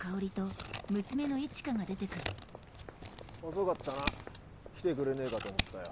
遅かったな来てくれねえかと思ったよ。